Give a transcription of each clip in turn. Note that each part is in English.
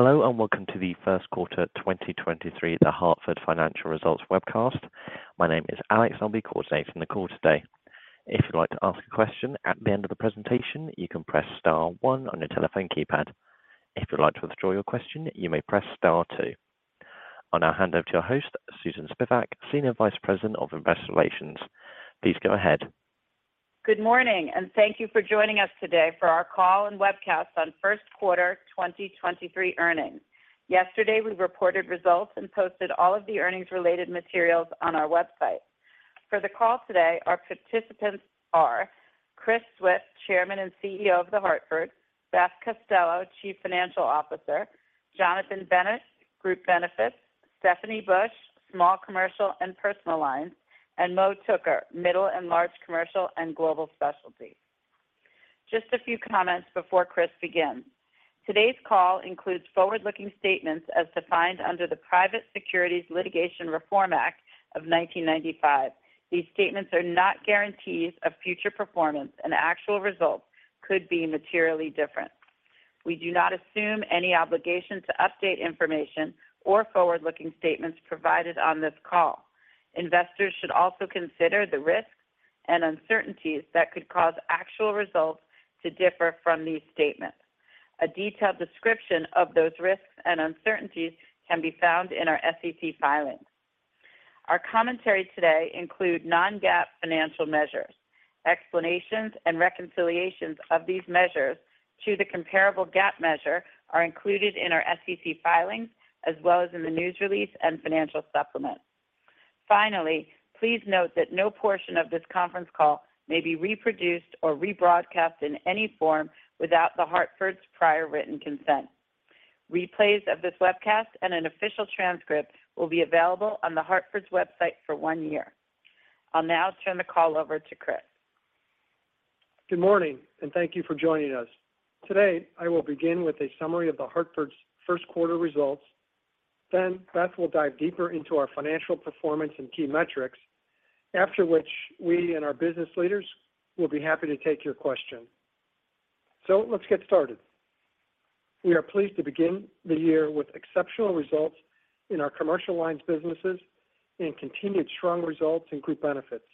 Hello. Welcome to the 1st quarter 2023 at The Hartford financial results webcast. My name is Alex. I'll be coordinating the call today. If you'd like to ask a question at the end of the presentation, you can press star one on your telephone keypad. If you'd like to withdraw your question, you may press star two. I'll now hand over to your host, Susan Spivak, Senior Vice President of Investor Relations. Please go ahead. Good morning, thank you for joining us today for our call and webcast on Q1 2023 earnings. Yesterday, we reported results and posted all of the earnings-related materials on our website. For the call today, our participants are Chris Swift, Chairman and CEO of The Hartford, Beth Costello, Chief Financial Officer, Jonathan Bennett, Group Benefits, Stephanie Bush, Small Commercial and Personal Lines, and Mo Tooker, Middle and Large Commercial and Global Specialty. Just a few comments before Chris begins. Today's call includes forward-looking statements as defined under the Private Securities Litigation Reform Act of 1995. These statements are not guarantees of future performance, and actual results could be materially different. We do not assume any obligation to update information or forward-looking statements provided on this call. Investors should also consider the risks and uncertainties that could cause actual results to differ from these statements. A detailed description of those risks and uncertainties can be found in our SEC filings. Our commentary today include non-GAAP financial measures. Explanations and reconciliations of these measures to the comparable GAAP measure are included in our SEC filings, as well as in the news release and financial supplement. Finally, please note that no portion of this Conference Call may be reproduced or rebroadcast in any form without The Hartford's prior written consent. Replays of this webcast and an official transcript will be available on The Hartford's website for one year. I'll now turn the call over to Chris. Good morning, thank you for joining us. Today, I will begin with a summary of The Hartford's Q1 results. Beth will dive deeper into our financial performance and key metrics. After which, we and our business leaders will be happy to take your questions. Let's get started. We are pleased to begin the year with exceptional results in our commercial lines businesses and continued strong results in group benefits.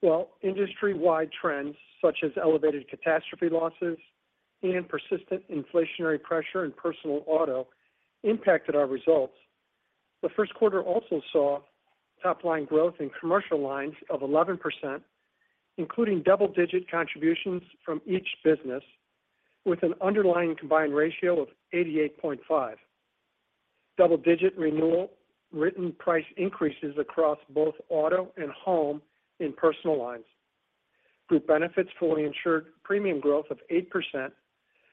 While industry-wide trends such as elevated catastrophe losses and persistent inflationary pressure in personal auto impacted our results, the Q1 also saw top-line growth in commercial lines of 11 percent, including double-digit contributions from each business with an underlying combined ratio of 88.5. Double-digit renewal written price increases across both auto and home in personal lines. Group Benefits fully insured premium growth of 8%,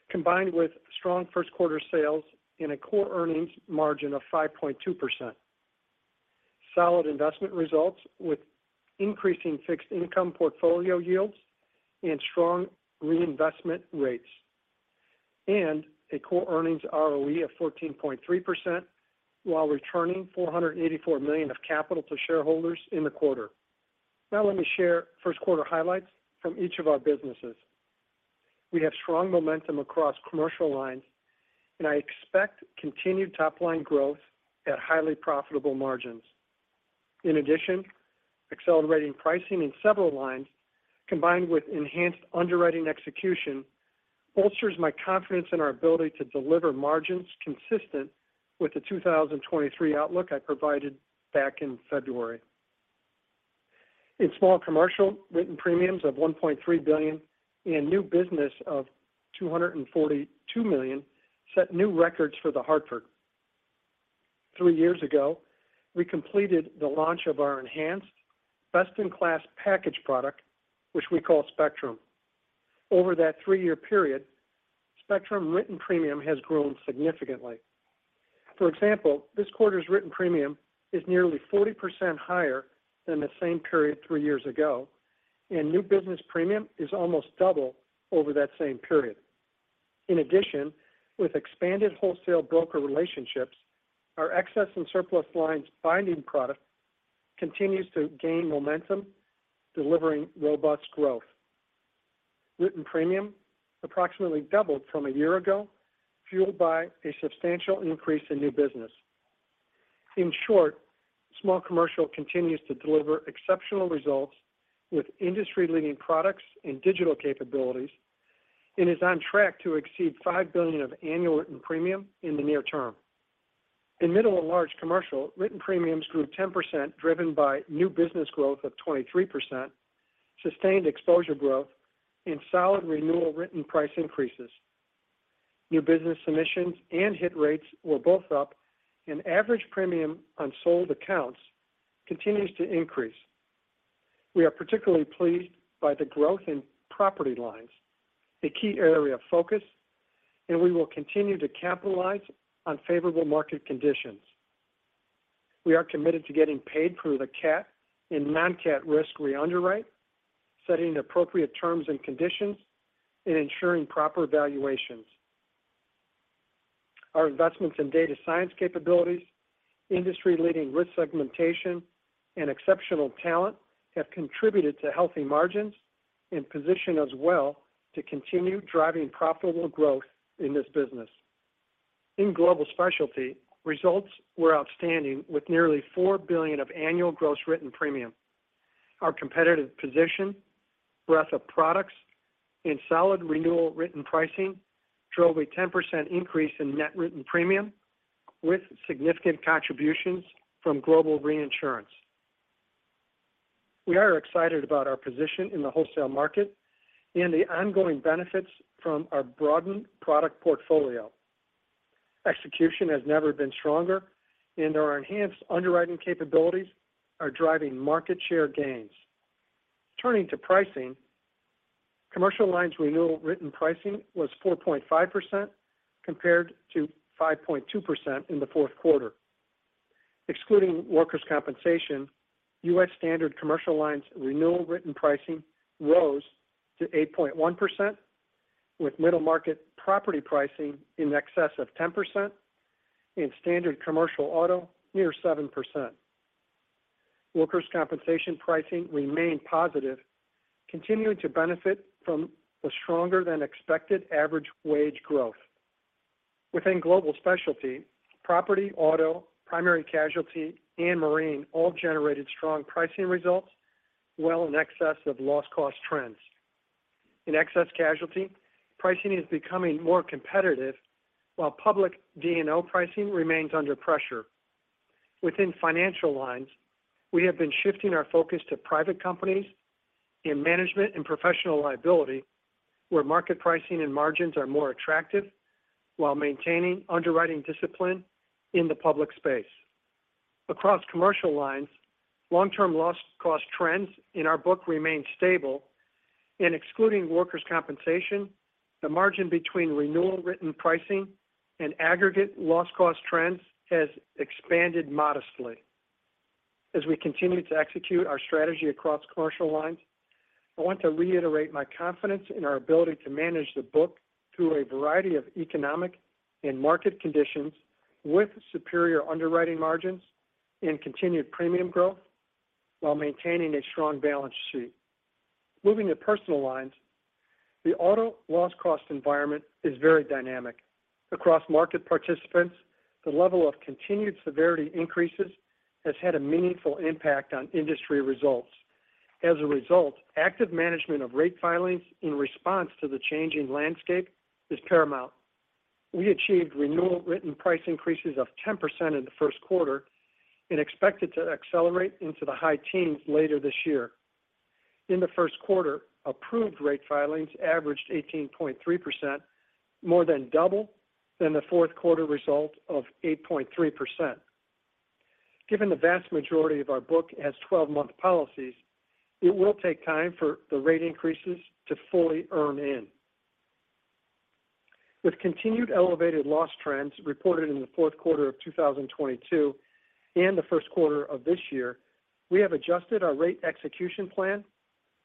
combined with strong Q1 sales in a core earnings margin of 5.2%. Solid investment results with increasing fixed-income portfolio yields and strong reinvestment rates. A core earnings ROE of 14.3% while returning $484 million of capital to shareholders in the quarter. Let me share Q1 highlights from each of our businesses. We have strong momentum across commercial lines, and I expect continued top-line growth at highly profitable margins. Accelerating pricing in several lines, combined with enhanced underwriting execution, bolsters my confidence in our ability to deliver margins consistent with the 2023 outlook I provided back in February. In small commercial, written premiums of $1.3 billion and new business of $242 million set new records for The Hartford. Three years ago, we completed the launch of our enhanced best-in-class package product, which we call Spectrum. Over that three-year period, Spectrum written premium has grown significantly. For example, this quarter's written premium is nearly 40% higher than the same period three years ago, and new business premium is almost double over that same period. In addition, with expanded wholesale broker relationships, our excess and surplus lines binding product continues to gain momentum, delivering robust growth. Written premium approximately doubled from a year ago, fueled by a substantial increase in new business. In short, small commercial continues to deliver exceptional results with industry-leading products and digital capabilities and is on track to exceed $5 billion of annual written premium in the near term. In Middle & Large Commercial, written premiums grew 10%, driven by new business growth of 23%, sustained exposure growth, and solid renewal written price increases. New business submissions and hit rates were both up and average premium on sold accounts continues to increase. We are particularly pleased by the growth in property lines, a key area of focus, and we will continue to capitalize on favorable market conditions. We are committed to getting paid for the cat and non-cat risk we underwrite, setting appropriate terms and conditions, and ensuring proper valuations. Our investments in data science capabilities industry-leading risk segmentation and exceptional talent have contributed to healthy margins and position us well to continue driving profitable growth in this business. In Global Specialty, results were outstanding with nearly $4 billion of annual gross written premium. Our competitive position, breadth of products, and solid renewal written pricing drove a 10% increase in net written premium with significant contributions from global reinsurance. We are excited about our position in the wholesale market and the ongoing benefits from our broadened product portfolio. Execution has never been stronger and our enhanced underwriting capabilities are driving market share gains. Turning to pricing, Commercial Lines renewal written pricing was 4.5% compared to 5.2% in the Q4. Excluding workers' compensation, U.S. Standard Commercial Lines renewal written pricing rose to 8.1% with middle market property pricing in excess of 10% and Standard Commercial Auto near 7%. Workers' compensation pricing remained positive, continuing to benefit from a stronger-than- expected-average wage growth. Within Global Specialty, Property, Auto, Primary Casualty, and Marine all generated strong pricing results well in excess of loss cost trends. In Excess Casualty, pricing is becoming more competitive while public D&O pricing remains under pressure. Within Financial Lines, we have been shifting our focus to private companies in management and professional liability, where market pricing and margins are more attractive while maintaining underwriting discipline in the public space. Across Commercial Lines, long-term loss cost trends in our book remain stable, and excluding workers' compensation, the margin between renewal written pricing and aggregate loss cost trends has expanded modestly. As we continue to execute our strategy across Commercial Lines, I want to reiterate my confidence in our ability to manage the book through a variety of economic and market conditions with superior underwriting margins and continued premium growth while maintaining a strong balance sheet. Active management of rate filings in response to the changing landscape is paramount. We achieved renewal written price increases of 10% in the Q1 and expect it to accelerate into the high teens later this year. In the Q1, approved rate filings averaged 18.3%, more than double than the Q4 result of 8.3%. Given the vast majority of our book has 12-month policies, it will take time for the rate increases to fully earn in. With continued elevated loss trends reported in the Q4 of 2022 and the Q1 of this year, we have adjusted our rate execution plan.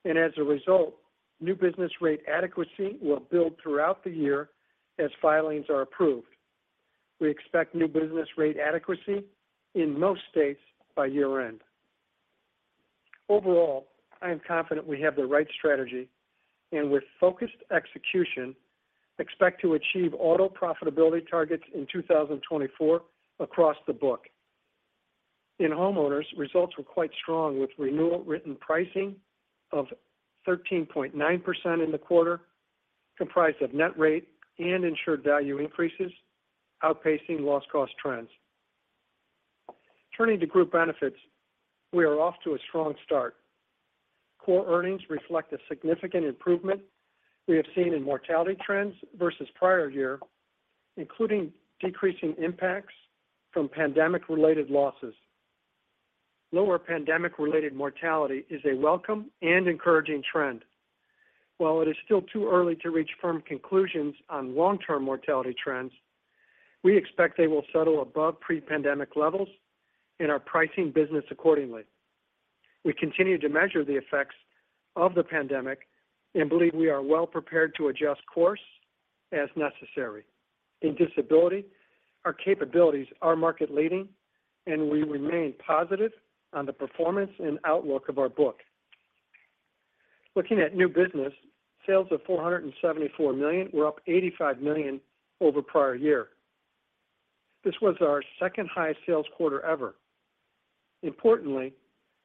As a result, new business rate adequacy will build throughout the year as filings are approved. We expect new business rate adequacy in most states by year-end. Overall, I am confident we have the right strategy and with focused execution, expect to achieve Auto profitability targets in 2024 across the book. In Homeowners, results were quite strong with renewal written pricing of 13.9% in the quarter, comprised of net rate and insured value increases outpacing loss cost trends. Turning to Group Benefits, we are off to a strong start. Core earnings reflect a significant improvement we have seen in mortality trends versus prior year, including decreasing impacts from pandemic-related losses. Lower pandemic-related mortality is a welcome and encouraging trend. While it is still too early to reach firm conclusions on long-term mortality trends, we expect they will settle above pre-pandemic levels and are pricing business accordingly. We continue to measure the effects of the pandemic and believe we are well prepared to adjust course as necessary. In Disability, our capabilities are market-leading, and we remain positive on the performance and outlook of our book. Looking at new business, sales of $474 million were up $85 million over prior year. This was our second-highest sales quarter ever. Importantly,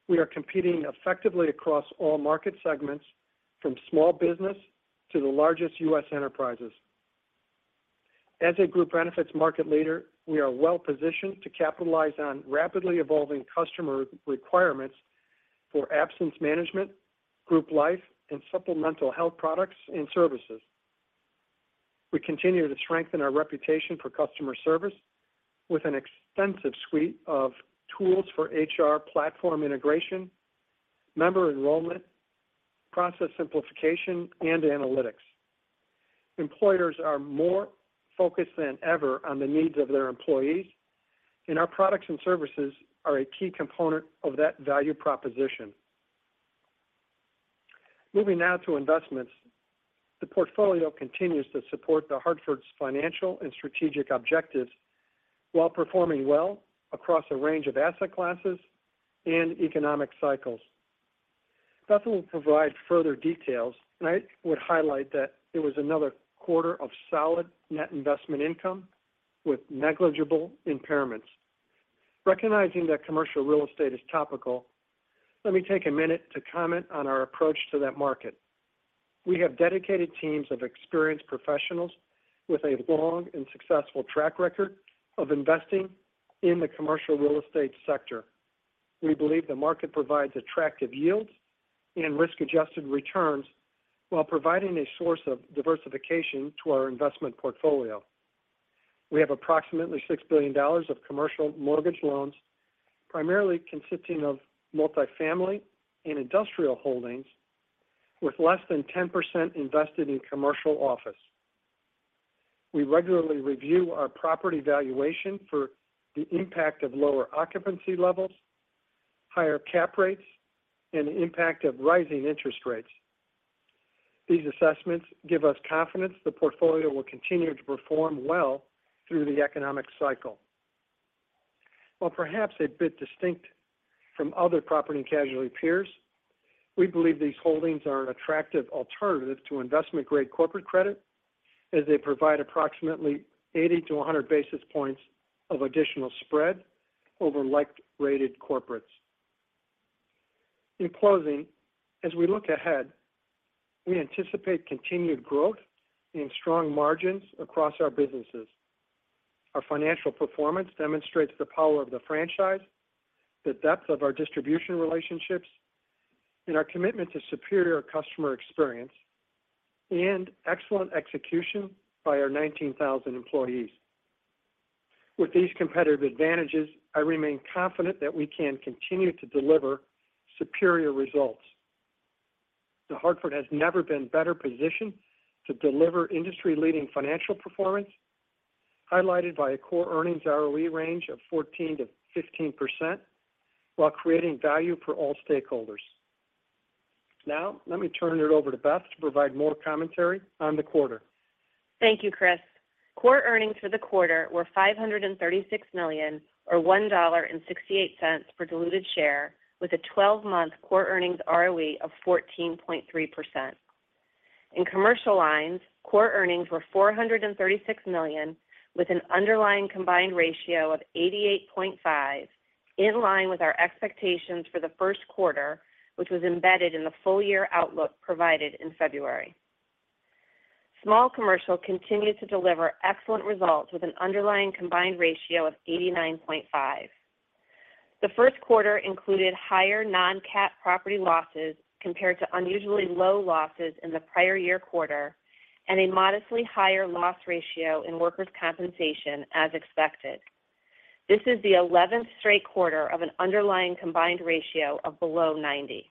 we are competing effectively across all market segments from small business to the largest U.S. enterprises. As a Group Benefits market leader, we are well-positioned to capitalize on rapidly evolving customer requirements for absence management, group life, and supplemental health products and services. We continue to strengthen our reputation for customer service with an extensive suite of tools for HR platform integration, member enrollment, process simplification, and analytics. Employers are more focused than ever on the needs of their employees, and our products and services are a key component of that value proposition. Moving now to investments. The portfolio continues to support The Hartford's financial and strategic objectives while performing well across a range of asset classes and economic cycles. Beth will provide further details, and I would highlight that it was another quarter of solid net investment income with negligible impairments. Recognizing that commercial real estate is topical, let me take a minute to comment on our approach to that market. We have dedicated teams of experienced professionals with a long and successful track record of investing in the commercial real estate sector. We believe the market provides attractive yields and risk-adjusted returns while providing a source of diversification to our investment portfolio. We have approximately $6 billion of commercial mortgage loans, primarily consisting of multifamily and industrial holdings, with less than 10% invested in commercial office. We regularly review our property valuation for the impact of lower occupancy levels, higher cap rates, and the impact of rising interest rates. These assessments give us confidence the portfolio will continue to perform well through the economic cycle. While perhaps a bit distinct from other property and casualty peers, we believe these holdings are an attractive alternative to investment-grade corporate credit as they provide approximately 80 to 100 basis points of additional spread over like-rated corporates. In closing, as we look ahead, we anticipate continued growth and strong margins across our businesses. Our financial performance demonstrates the power of the franchise, the depth of our distribution relationships, and our commitment to superior customer experience and excellent execution by our 19,000 employees. With these competitive advantages, I remain confident that we can continue to deliver superior results. The Hartford has never been better positioned to deliver industry-leading financial performance, highlighted by a core earnings ROE range of 14%-15% while creating value for all stakeholders. Let me turn it over to Beth to provide more commentary on the quarter. Thank you, Chris. Core earnings for the quarter were $536 million, or $1.68 per diluted share, with a 12-month core earnings ROE of 14.3%. In commercial lines, core earnings were $436 million, with an underlying combined ratio of 88.5%, in line with our expectations for the Q1, which was embedded in the full year outlook provided in February. Small Commercial continued to deliver excellent results with an underlying combined ratio of 89.5%. The Q1 included higher non-cat property losses compared to unusually low losses in the prior year quarter and a modestly higher loss ratio in workers' compensation as expected. This is the 11th straight quarter of an underlying combined ratio of below 90.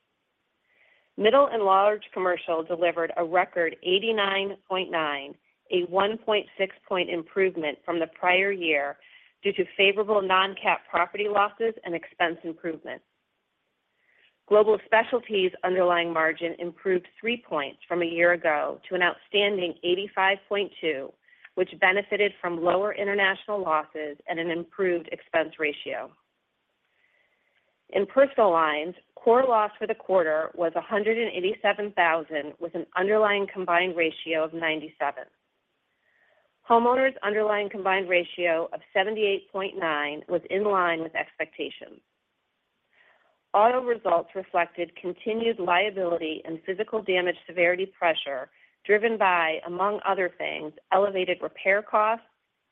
Middle & Large Commercial delivered a record 89.9, a 1.6 point improvement from the prior year due to favorable non-CAT property losses and expense improvements. Global Specialty's underlying margin improved 3 points from a year ago to an outstanding 85.2, which benefited from lower international losses and an improved expense ratio. In Personal Lines, core loss for the quarter was $187,000, with an underlying combined ratio of 97. Homeowners underlying combined ratio of 78.9 was in line with expectations. Auto results reflected continued liability and physical damage severity pressure driven by, among other things, elevated repair costs,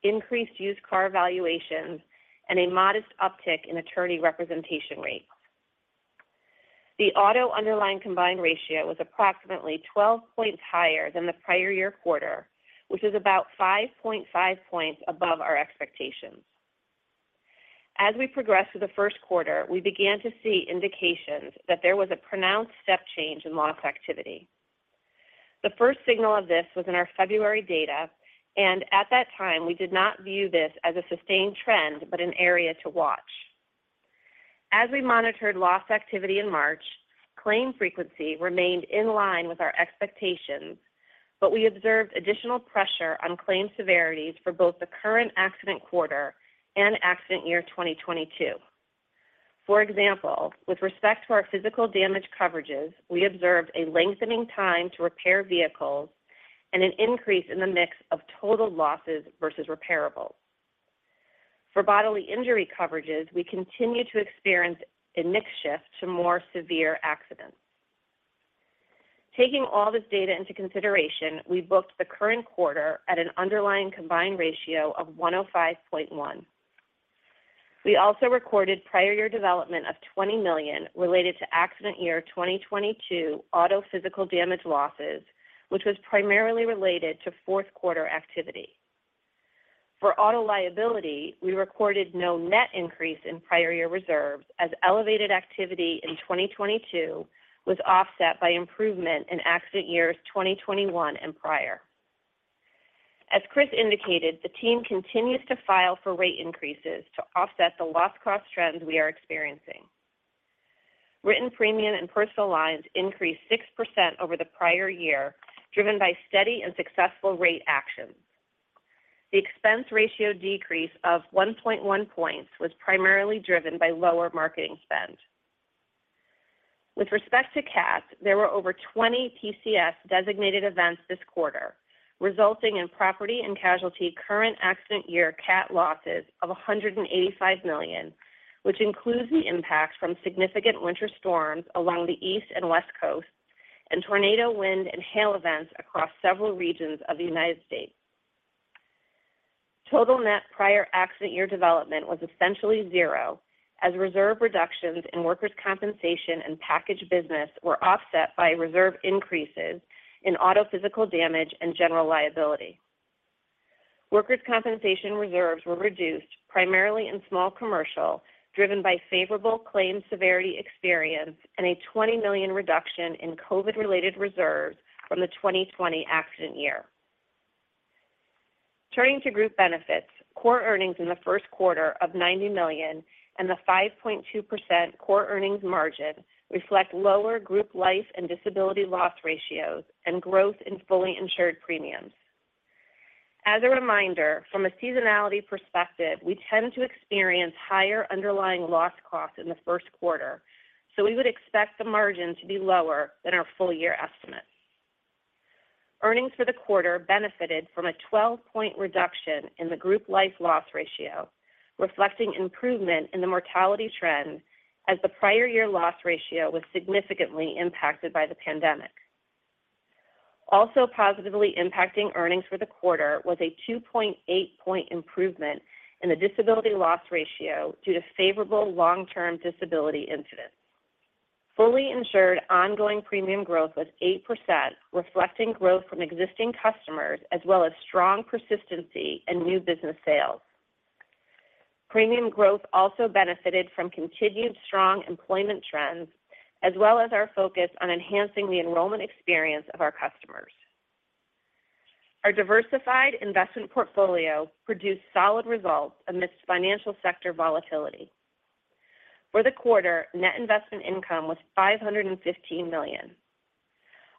increased used car valuations, and a modest uptick in attorney representation rates. The Auto underlying combined ratio was approximately 12 points higher than the prior year quarter, which is about 5.5 points above our expectations. As we progressed through the Q1, we began to see indications that there was a pronounced step change in loss activity. The first signal of this was in our February data. At that time, we did not view this as a sustained trend, but an area to watch. As we monitored loss activity in March, claim frequency remained in line with our expectations, but we observed additional pressure on claim severities for both the current accident quarter and accident year 2022. For example, with respect to our physical damage coverages, we observed a lengthening time to repair vehicles and an increase in the mix of total losses versus repairables. For bodily injury coverages, we continue to experience a mix shift to more severe accidents. Taking all this data into consideration, we booked the current quarter at an underlying combined ratio of 105.1. We also recorded prior year development of $20 million related to accident year 2022 auto physical damage losses, which was primarily related to Q4 activity. For auto liability, we recorded no net increase in prior year reserves as elevated activity in 2022 was offset by improvement in accident years 2021 and prior. Chris indicated, the team continues to file for rate increases to offset the loss cost trends we are experiencing. Written premium and personal lines increased 6% over the prior year, driven by steady and successful rate actions. The expense ratio decrease of 1.1 points was primarily driven by lower marketing spend. With respect to cat, there were over 20 PCS designated events this quarter, resulting in property and casualty current accident year cat losses of $185 million, which includes the impact from significant winter storms along the east and west coasts and tornado wind and hail events across several regions of the United States. Total net prior accident year development was essentially 0 as reserve reductions in workers' compensation and package business were offset by reserve increases in auto physical damage and general liability. Workers' compensation reserves were reduced primarily in small commercial, driven by favorable claims severity experience and a $20 million reduction in COVID-related reserves from the 2020 accident year. Turning to group benefits, core earnings in the Q1 of $90 million and the 5.2% core earnings margin reflect lower group life and disability loss ratios and growth in fully insured premiums. As a reminder, from a seasonality perspective, we tend to experience higher underlying loss costs in the Q1. We would expect the margin to be lower than our full year estimates. Earnings for the quarter benefited from a 12-point reduction in the group life loss ratio, reflecting improvement in the mortality trend as the prior year loss ratio was significantly impacted by the pandemic. Positively impacting earnings for the quarter was a 2.8-point improvement in the disability loss ratio due to favorable long-term disability incidents. Fully insured ongoing premium growth was 8%, reflecting growth from existing customers as well as strong persistency in new business sales. Premium growth also benefited from continued strong employment trends as well as our focus on enhancing the enrollment experience of our customers. Our diversified investment portfolio produced solid results amidst financial sector volatility. For the quarter, net investment income was $515 million.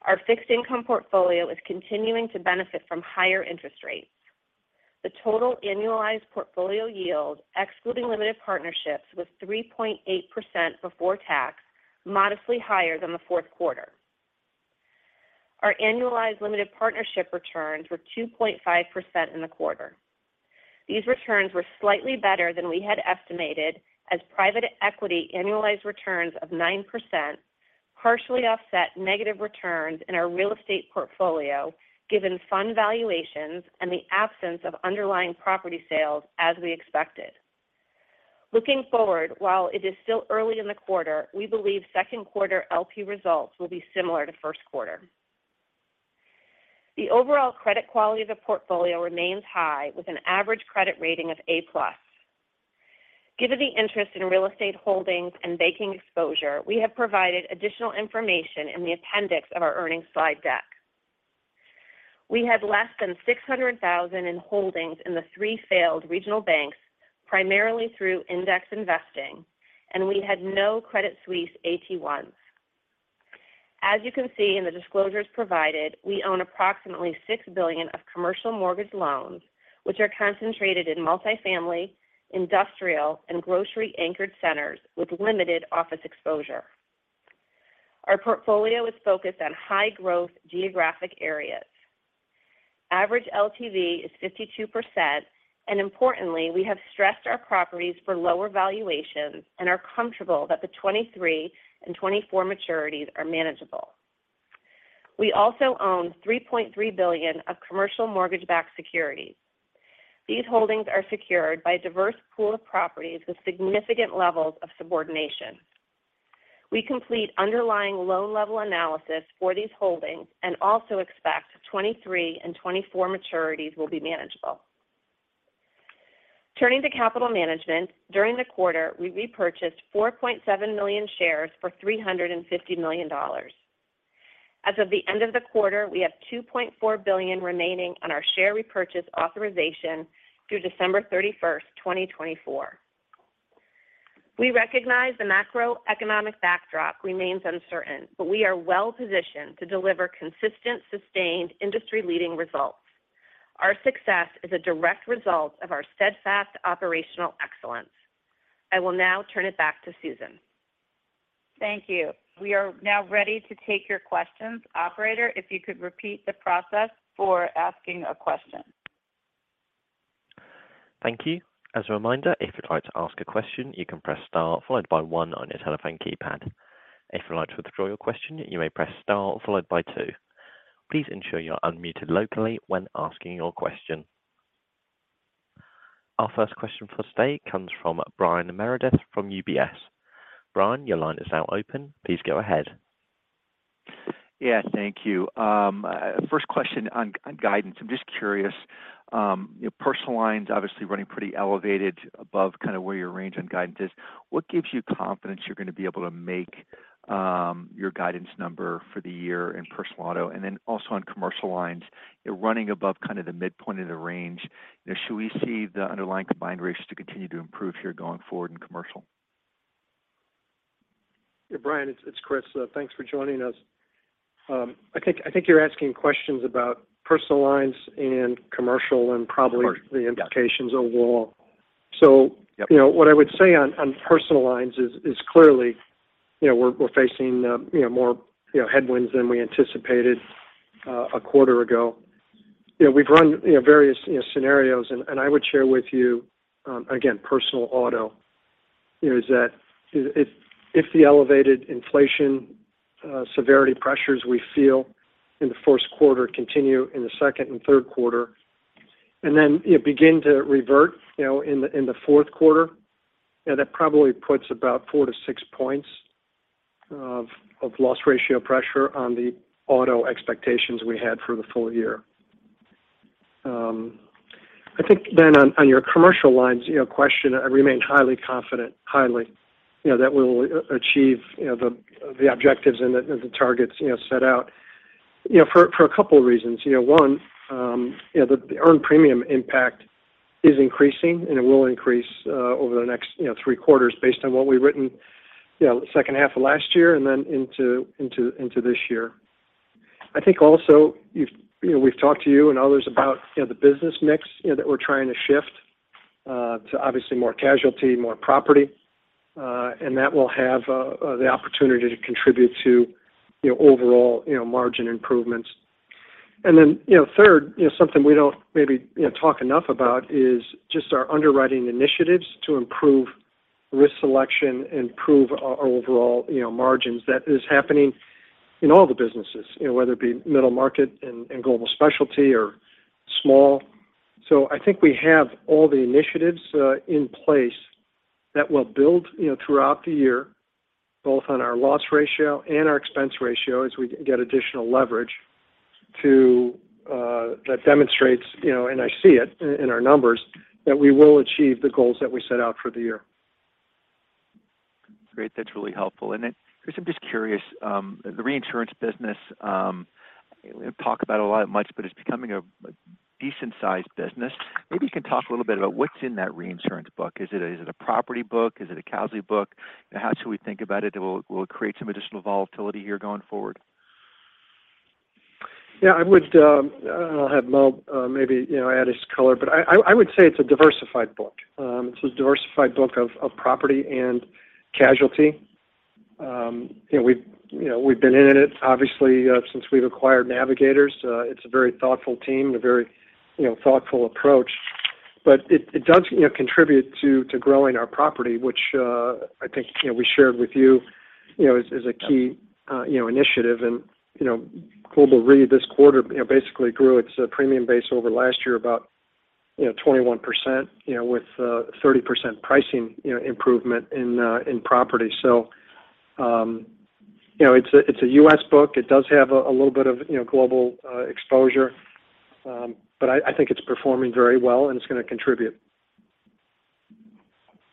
Our fixed-income portfolio is continuing to benefit from higher interest rates. The total annualized portfolio yield, excluding limited partnerships, was 3.8% before tax, modestly higher than the Q4. Our annualized limited partnership returns were 2.5% in the quarter. These returns were slightly better than we had estimated as private equity annualized returns of 9% partially offset negative returns in our real estate portfolio, given fund valuations and the absence of underlying property sales as we expected. Looking forward, while it is still early in the quarter, we believe Q2 LP results will be similar to Q1. The overall credit quality of the portfolio remains high, with an average credit rating of A plus. Given the interest in real estate holdings and banking exposure, we have provided additional information in the appendix of our earnings slide deck. We had less than $600,000 in holdings in the three failed regional banks, primarily through index investing, and we had no Credit Suisse AT1. As you can see in the disclosures provided, we own approximately $6 billion of commercial mortgage loans, which are concentrated in multifamily, industrial, and grocery-anchored centers with limited office exposure. Our portfolio is focused on high-growth geographic areas. Average LTV is 52%, and importantly, we have stressed our properties for lower valuations and are comfortable that the 2023 and 2024 maturities are manageable. We also own $3.3 billion of commercial mortgage-backed securities. These holdings are secured by a diverse pool of properties with significant levels of subordination. We complete underlying loan level analysis for these holdings and also expect 2023 and 2024 maturities will be manageable. Turning to capital management, during the quarter, we repurchased 4.7 million shares for $350 million. As of the end of the quarter, we have $2.4 billion remaining on our share repurchase authorization through December 31, 2024. We recognize the macroeconomic backdrop remains uncertain, but we are well-positioned to deliver consistent, sustained industry-leading results. Our success is a direct result of our steadfast operational excellence. I will now turn it back to Susan. Thank you. We are now ready to take your questions. Operator, if you could repeat the process for asking a question. Thank you. As a reminder, if you'd like to ask a question, you can press star followed by one on your telephone keypad. If you'd like to withdraw your question, you may press star followed by two. Please ensure you are unmuted locally when asking your question. Our first question for today comes from Brian Meredith from UBS. Brian, your line is now open. Please go ahead. Yeah. Thank you. First question on guidance. I'm just curious, Personal Lines obviously running pretty elevated above kind of where your range and guidance is. What gives you confidence you're going to be able to make your guidance number for the year in personal auto? Also on Commercial Lines, you're running above kind of the midpoint of the range. You know, should we see the underlying combined ratios to continue to improve here going forward in commercial? Yeah, Brian, it's Chris. Thanks for joining us. I think you're asking questions about personal lines and commercial. Commercial, yeah. the implications overall. Yep. You know, what I would say on personal lines is clearly, you know, we're facing, you know, more, you know, headwinds than we anticipated, a quarter ago. You know, we've run, you know, various, you know, scenarios, and I would share with you, again, personal auto, you know, is that if the elevated inflation, severity pressures we feel in the Q1 continue in the second and Q3, and then begin to revert, you know, in the, in the Q4, then that probably puts about 4-6 points of loss ratio pressure on the auto expectations we had for the full year. I think then on your commercial lines question, I remain highly confident, highly, that we will achieve the objectives and the targets set out for a couple of reasons. One, the earned premium impact is increasing and it will increase over the next three quarters based on what we've written second half of last year and then into this year. I think also, we've talked to you and others about the business mix that we're trying to shift to obviously more casualty, more property, and that will have the opportunity to contribute to overall margin improvements. Then, you know, third, you know, something we don't maybe, you know, talk enough about is just our underwriting initiatives to improve risk selection, improve our overall, you know, margins. That is happening in all the businesses, you know, whether it be middle market and Global Specialty or small. I think we have all the initiatives in place that will build, you know, throughout the year, both on our loss ratio and our expense ratio as we get additional leverage that demonstrates, you know, and I see it in our numbers, that we will achieve the goals that we set out for the year. Great. That's really helpful. Chris, I'm just curious, the reinsurance business, we talk about a lot much, but it's becoming a decent-sized business. Maybe you can talk a little bit about what's in that reinsurance book. Is it a, is it a property book? Is it a casualty book? How should we think about it? Will it create some additional volatility here going forward? Yeah, I would, I'll have Mo, maybe, you know, add his color, but I would say it's a diversified book. It's a diversified book of property and casualty. You know, we've, you know, we've been in it, obviously, since we've acquired Navigators. It's a very thoughtful team, a very, you know, thoughtful approach. It does, you know, contribute to growing our property, which, I think, you know, we shared with you know, is a key, you know, initiative. You know, Global Re this quarter, you know, basically grew its premium base over last year about, you know, 21%, you know, with 30% pricing, you know, improvement in property. You know, it's a U.S. book. It does have a little bit of, you know, global, exposure. I think it's performing very well and it's going to contribute.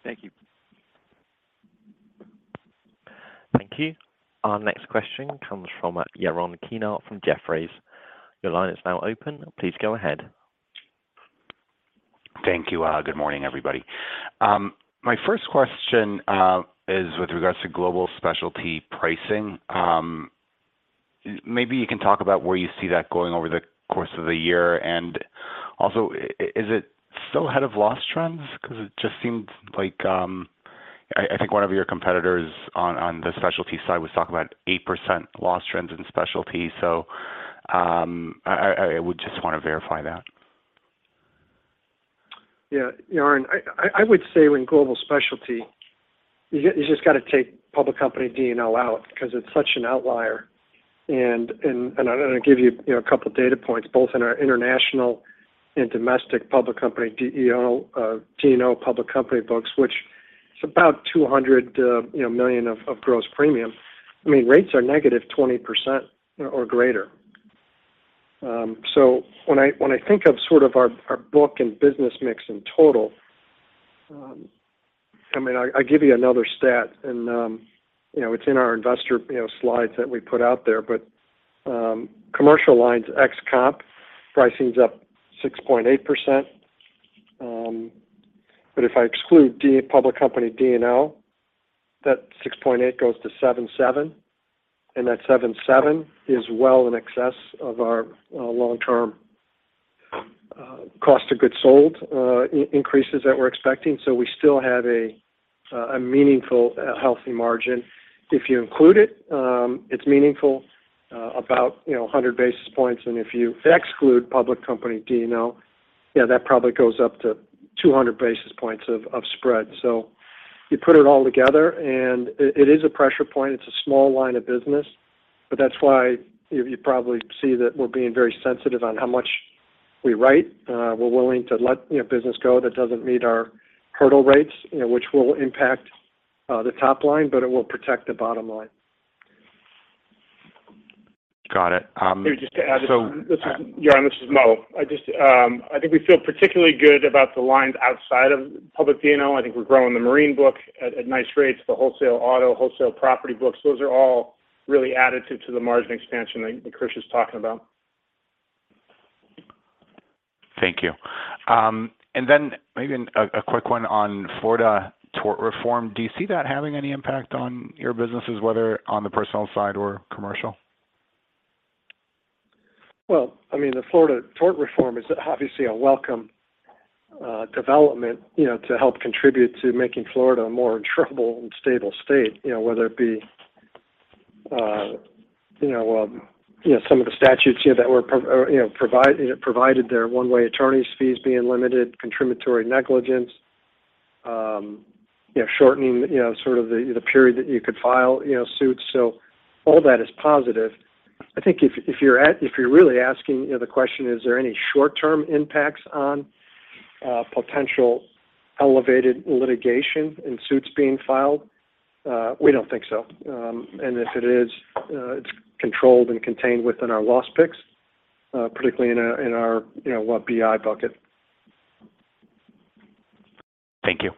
Thank you. Thank you. Our next question comes from Yaron Kinar from Jefferies. Your line is now open. Please go ahead. Thank you. Good morning, everybody. My first question is with regards to Global Specialty pricing. Maybe you can talk about where you see that going over the course of the year. Also, is it still ahead of loss trends? It just seems like, I think one of your competitors on the Specialty side was talking about 8% loss trends in Specialty. I would just want to verify that. Yeah, Yaron, I would say in global specialty, you just got to take public company D&O out because it's such an outlier. I'm going to give you know, a couple data points, both in our international and domestic public company D&O public company books, which is about $200 million of gross premium. I mean, rates are -20% or greater. When I think of sort of our book and business mix in total, I mean, I give you another stat and, you know, it's in our investor, you know, slides that we put out there. Commercial lines ex-comp pricing is up 6.8%. If I exclude public D&O, that 6.8 goes to 7.7, and that 7.7 is well in excess of our long-term cost of goods sold increases that we're expecting. We still have a meaningful healthy margin. If you include it's meaningful, about, you know, 100 basis points. If you exclude public D&O, yeah, that probably goes up to 200 basis points of spread. You put it all together, and it is a pressure point. It's a small line of business. That's why you probably see that we're being very sensitive on how much we write. We're willing to let, you know, business go that doesn't meet our hurdle rates, you know, which will impact the top-line, but it will protect the bottom line. Got it. Maybe just to. So, uh- This is, Yaron, this is Mo. I just, I think we feel particularly good about the lines outside of public D&O. I think we're growing the marine book at nice rates, the wholesale auto, wholesale property books, those are all really additive to the margin expansion that Chris is talking about. Thank you. Then maybe a quick one on Florida tort reform. Do you see that having any impact on your businesses, whether on the personal side or commercial? Well, I mean, the Florida tort reform is obviously a welcome development, you know, to help contribute to making Florida a more insurable and stable state. You know, whether it be, you know, some of the statutes, you know, that were provided there, one-way attorney's fees being limited, contributory negligence, you know, shortening, you know, sort of the period that you could file, you know, suits. All that is positive. I think if you're really asking, you know, the question, is there any short-term impacts on potential elevated litigation and suits being filed? We don't think so. If it is, it's controlled and contained within our loss picks, particularly in our, you know, our BI bucket. Thank you.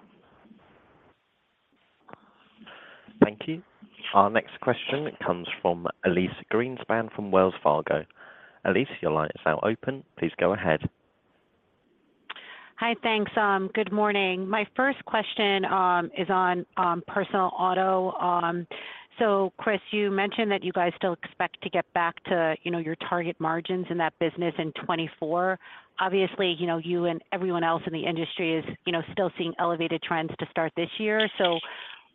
Thank you. Our next question comes from Elyse Greenspan from Wells Fargo. Elyse, your line is now open. Please go ahead. Hi. Thanks. good morning. My first question is on personal auto. Chris, you mentioned that you guys still expect to get back to, you know, your target margins in that business in 2024. Obviously, you know, you and everyone else in the industry is, you know, still seeing elevated trends to start this year.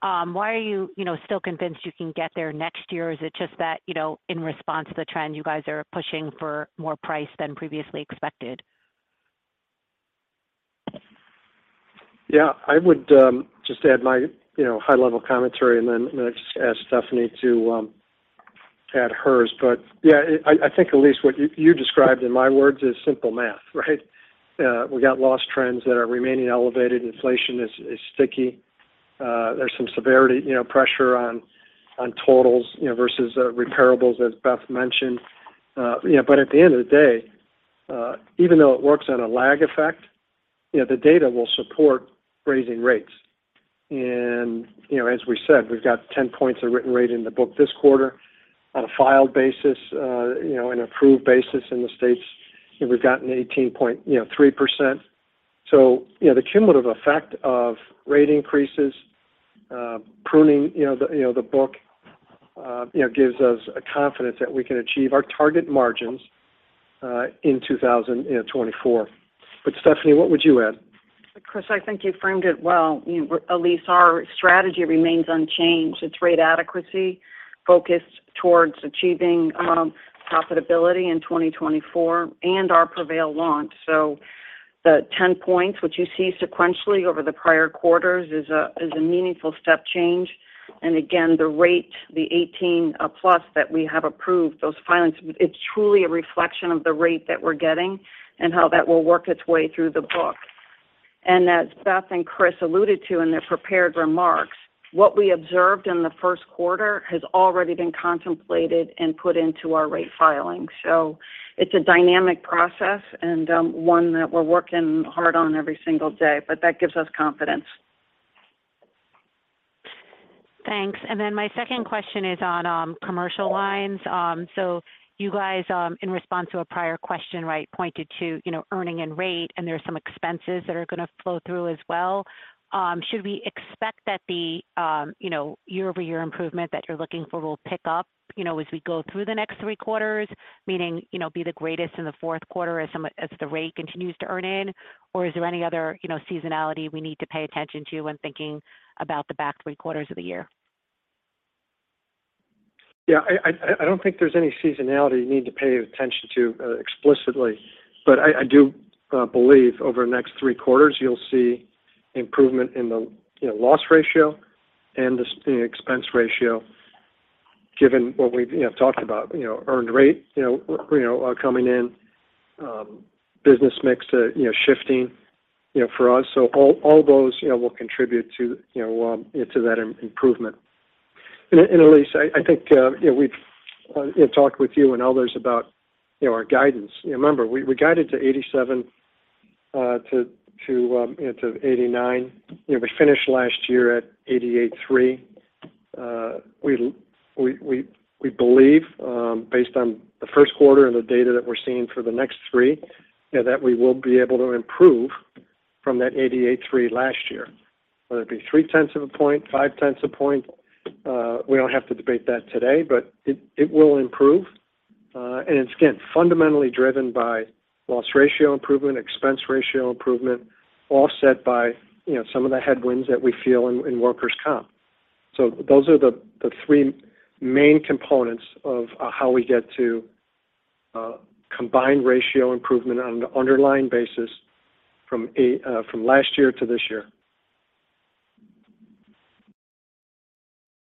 Why are you know, still convinced you can get there next year? Is it just that, you know, in response to the trend, you guys are pushing for more price than previously expected? I would just add my, you know, high-level commentary and then just ask Stephanie to add hers. I think, Elyse, what you described, in my words, is simple math, right? We got loss trends that are remaining elevated. Inflation is sticky. There's some severity, you know, pressure on totals, you know, versus repairables, as Beth mentioned. At the end of the day, even though it works on a lag effect, you know, the data will support raising rates. As we said, we've got 10 points of written rate in the book this quarter. On a filed basis, you know, an approved basis in the States, you know, we've gotten 18.3%. you know, the cumulative effect of rate increases, pruning, you know, the book, you know, gives us confidence that we can achieve our target margins, in 2024. Stephanie, what would you add? Chris, I think you framed it well. You know, Elyse, our strategy remains unchanged. It's rate adequacy focused towards achieving profitability in 2024 and our Prevail launch. The 10 points, which you see sequentially over the prior quarters, is a meaningful step change. Again, the rate, the 18+ that we have approved, those filings, it's truly a reflection of the rate that we're getting and how that will work its way through the book. As Beth and Chris alluded to in their prepared remarks, what we observed in the Q1 has already been contemplated and put into our rate filings. It's a dynamic process and one that we're working hard on every single day, but that gives us confidence. Thanks. My second question is on commercial lines. You guys, in response to a prior question, right, pointed to, you know, earning and rate, and there are some expenses that are gonna flow through as well. Should we expect that the, you know, year-over-year improvement that you're looking for will pick up, you know, as we go through the next 3 quarters, meaning, you know, be the greatest in the Q4 as the rate continues to earn in? Is there any other, you know, seasonality we need to pay attention to when thinking about the back 3 quarters of the year? Yeah. I don't think there's any seasonality you need to pay attention to, explicitly. I do believe over the next three quarters, you'll see improvement in the loss ratio and the expense ratio given what we've talked about earned rate coming in, business mix shifting for us. All those will contribute to that improvement. Elyse, I think we've talked with you and others about our guidance. Remember, we guided to 87%-89%. We finished last year at 88.3%. we believe, based on the Q1 and the data that we're seeing for the next three, you know, that we will be able to improve from that 88.3 last year, whether it be 0.3 points, 0.5 points. We don't have to debate that today, but it will improve. It's again, fundamentally driven by loss ratio improvement, expense ratio improvement, offset by, you know, some of the headwinds that we feel in workers' comp. Those are the three main components of how we get to combined ratio improvement on an underlying basis from last year to this year.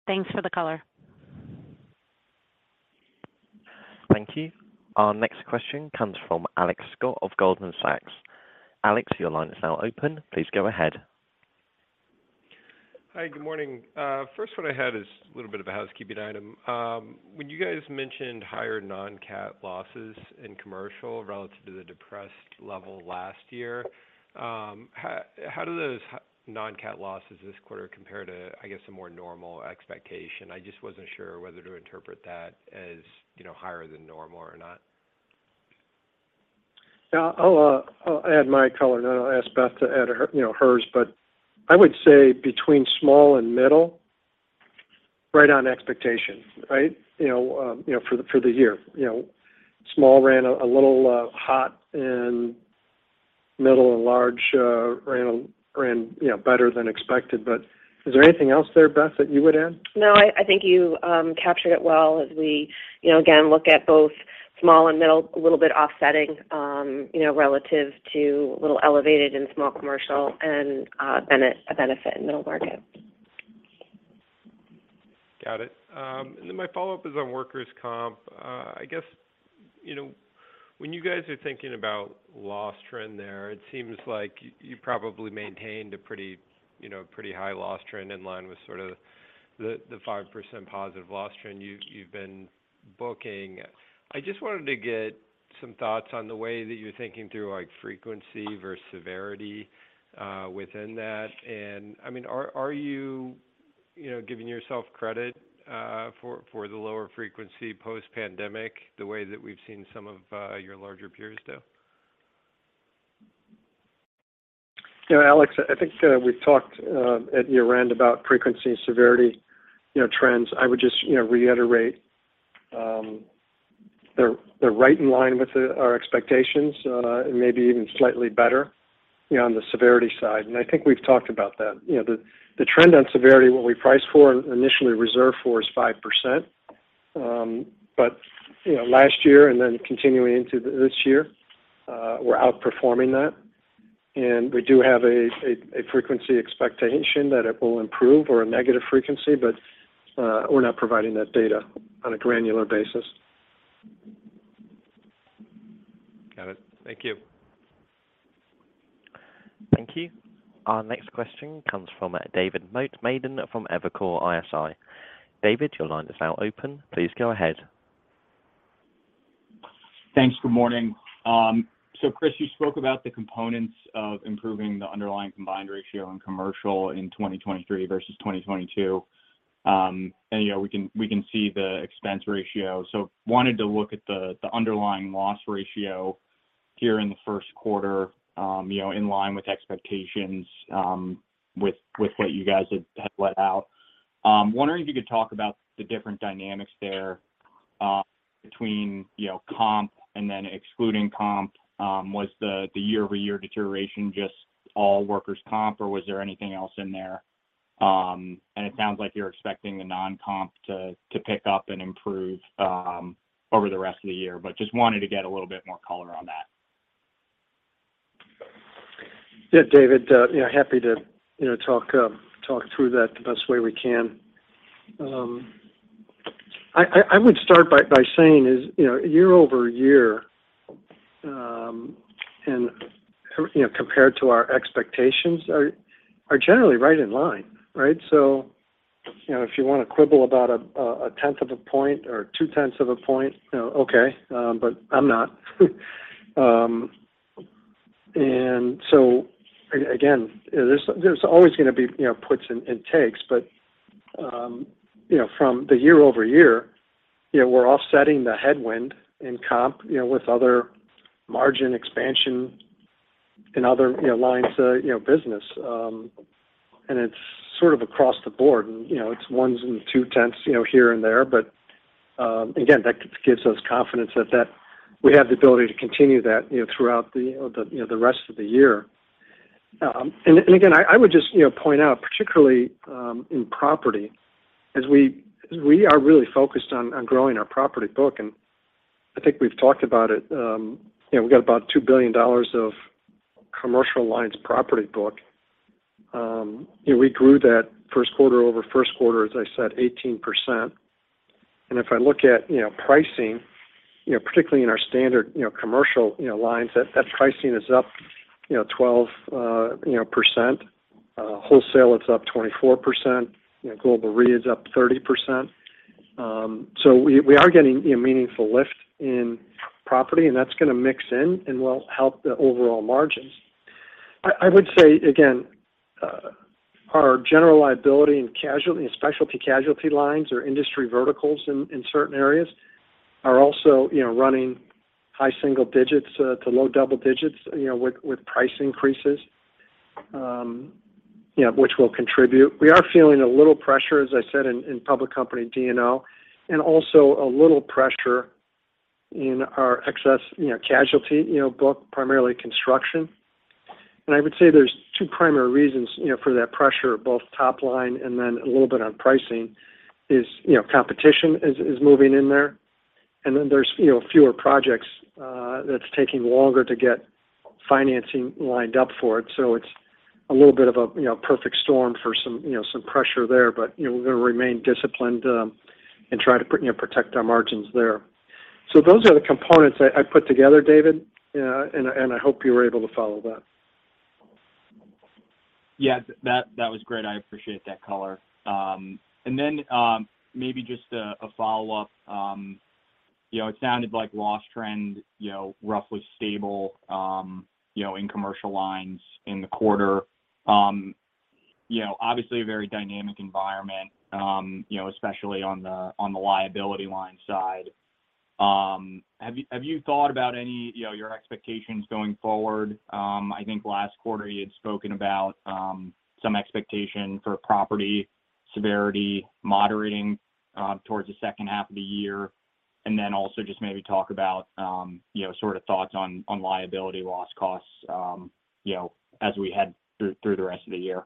Thanks for the color. Thank you. Our next question comes from Alex Scott of Goldman Sachs. Alex, your line is now open. Please go ahead. Hi, good morning. First one I had is a little bit of a housekeeping item. When you guys mentioned higher non-cat losses in commercial relative to the depressed level last year, how do those non-cat losses this quarter compare to, I guess, a more normal expectation? I just wasn't sure whether to interpret that as, you know, higher than normal or not. Yeah. I'll add my color, then I'll ask Beth to add her, you know, hers. I would say between small and middle, right on expectation, right? You know, you know, for the, for the year. You know, small ran a little hot and middle and large ran, you know, better than expected. Is there anything else there, Beth, that you would add? No, I think you captured it well as we, you know, again, look at both small and middle, a little bit offsetting, relative to a little elevated in small commercial and a benefit in middle market. Got it. Then my follow-up is on workers' comp. I guess, you know, when you guys are thinking about loss trend there, it seems like you probably maintained a pretty, you know, pretty high loss trend in line with sort of the 5% positive loss trend you've been booking. I just wanted to get some thoughts on the way that you're thinking through, like, frequency versus severity, within that. I mean, are you know, giving yourself credit, for the lower frequency post-pandemic, the way that we've seen some of your larger peers do? You know, Alex, I think we've talked at year-end about frequency and severity, you know, trends. I would just, you know, reiterate, they're right in line with our expectations and maybe even slightly better, you know, on the severity side. I think we've talked about that. You know, the trend on severity, what we price for and initially reserve for is 5%. You know, last year and then continuing into this year, we're outperforming that. We do have a frequency expectation that it will improve or a negative frequency, but we're not providing that data on a granular basis. Got it. Thank you. Thank you. Our next question comes from David Motemaden from Evercore ISI. David, your line is now open. Please go ahead. Thanks. Good morning. Chris, you spoke about the components of improving the underlying combined ratio in Commercial in 2023 versus 2022. You know, we can see the expense ratio. Wanted to look at the underlying loss ratio here in the 1st quarter, you know, in line with expectations, with what you guys had let out. Wondering if you could talk about the different dynamics there, between, you know, comp and then excluding comp. Was the year-over-year deterioration just all workers' comp, or was there anything else in there? It sounds like you're expecting the non-comp to pick up and improve over the rest of the year, but just wanted to get a little bit more color on that. Yeah, David. you know, happy to, you know, talk through that the best way we can. I would start by saying is, you know, year-over-year, and, you know, compared to our expectations are generally right in line, right? you know, if you want to quibble about a tenth of a point or 2 tenths of a point, you know, okay, but I'm not. Again, there's always going to be, you know, puts and takes. From the year-over-year, you know, we're offsetting the headwind in comp, you know, with other margin expansion in other, you know, lines of, you know, business. It's sort of across the board and, you know, it's ones and 2 tenths, you know, here and there. Again, that gives us confidence that we have the ability to continue that, you know, throughout the, you know, the rest of the year. And again, I would just, you know, point out particularly in property as we are really focused on growing our property book, and I think we've talked about it. You know, we've got about $2 billion of commercial lines property book. You know, we grew that Q1 over Q1, as I said, 18%. If I look at, you know, pricing, you know, particularly in our standard, you know, commercial, you know, lines, that pricing is up, you know, 12%. Wholesale, it's up 24%. You know, global re is up 30%. We are getting a meaningful lift in property, and that's going to mix in and will help the overall margins. I would say again, our general liability and casualty and specialty casualty lines or industry verticals in certain areas are also, you know, running high single digits to low double digits, you know, with price increases, you know, which will contribute. We are feeling a little pressure, as I said, in public company D&O, and also a little pressure in our excess, you know, casualty, you know, book, primarily construction. I would say there's two primary reasons, you know, for that pressure, both top-line and then a little bit on pricing is, you know, competition is moving in there. Then there's, you know, fewer projects, that's taking longer to get financing lined up for it. It's a little bit of a, you know, perfect storm for some, you know, some pressure there. You know, we're going to remain disciplined, and try to, you know, protect our margins there. Those are the components I put together, David. And I hope you were able to follow that. Yeah, that was great. I appreciate that color. Maybe just a follow-up. You know, it sounded like loss trend, you know, roughly stable, you know, in commercial lines in the quarter. You know, obviously a very dynamic environment, you know, especially on the, on the liability line side. Have you, have you thought about any, you know, your expectations going forward? I think last quarter you had spoken about, some expectation for property severity moderating, towards the second half of the year. Also just maybe talk about, you know, sort of thoughts on liability loss costs, you know, as we head through the rest of the year?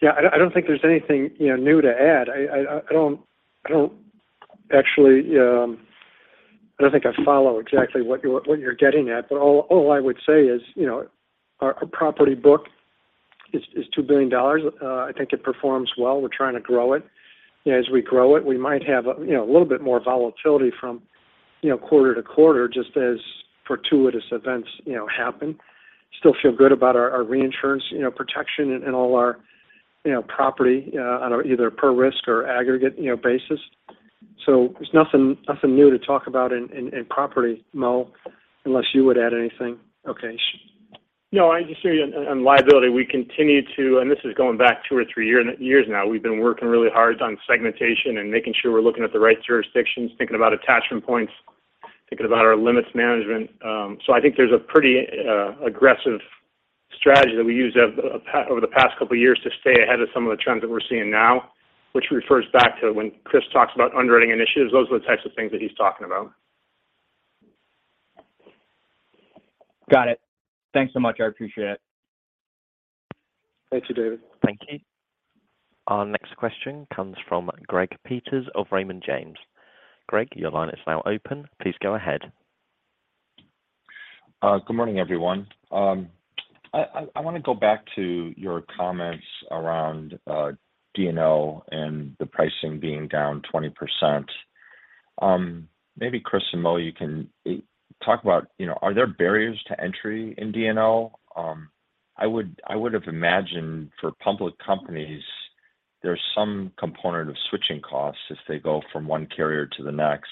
Yeah, I don't think there's anything, you know, new to add. I don't actually, I don't think I follow exactly what you're getting at. All I would say is, you know, our property book is $2 billion. I think it performs well. We're trying to grow it. As we grow it, we might have a, you know, a little bit more volatility from, you know, quarter to quarter, just as fortuitous events, you know, happen. Still feel good about our reinsurance, you know, protection in all our, you know, property, on a either per-risk or aggregate, you know, basis. There's nothing new to talk about in property, Mo, unless you would add anything. Okay. I just say on liability, we continue to, and this is going back two or three years now, we've been working really hard on segmentation and making sure we're looking at the right jurisdictions, thinking about attachment points, thinking about our limits management. I think there's a pretty, aggressive strategy that we used over the past couple of years to stay ahead of some of the trends that we're seeing now, which refers back to when Chris talks about underwriting initiatives. Those are the types of things that he's talking about. Got it. Thanks so much. I appreciate it. Thank you, David. Thank you. Our next question comes from Greg Peters of Raymond James. Greg, your line is now open. Please go ahead. Good morning, everyone. I want to go back to your comments around DNO and the pricing being down 20%. Maybe Chris and Mo, you can talk about, you know, are there barriers to entry in DNO? I would have imagined for public companies, there's some component of switching costs as they go from one carrier to the next.